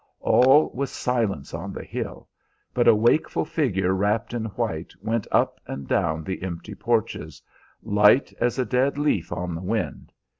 All was silence on the hill; but a wakeful figure wrapped in white went up and down the empty porches, light as a dead leaf on the wind.